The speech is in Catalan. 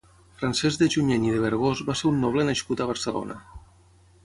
Francesc de Junyent i de Vergós va ser un noble nascut a Barcelona.